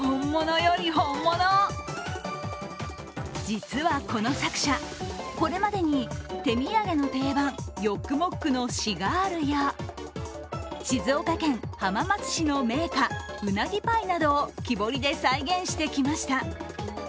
実はこの作者、これまでに手土産の定番ヨックモックのシガールや、静岡県浜松市の銘菓うなぎパイなどを木彫りで再現してきました。